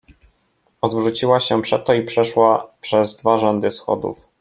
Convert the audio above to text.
Odwróciła się przeto i przeszła przez dwa rzędy schodów.